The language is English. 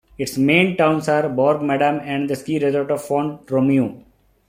Its main towns are Bourg-Madame and the ski resort of Font-Romeu.